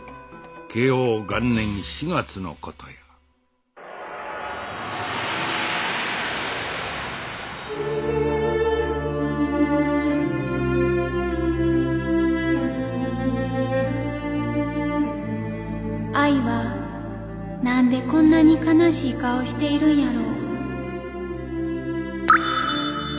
慶応元年４月のことや愛は何でこんなに悲しい顔しているんやろ。